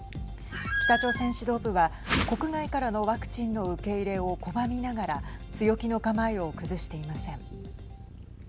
北朝鮮指導部は国外からのワクチンの受け入れを拒みながら強気の構えを崩していません。